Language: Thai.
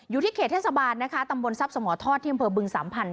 อยู่ที่เขตเทศบาลนะคะตำบลทรัพย์สมทอดที่อำเภอบึงสามพันธ